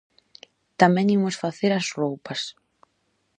Tamén imos facer as roupas.